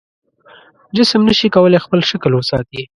جسم نشي کولی خپل شکل وساتي.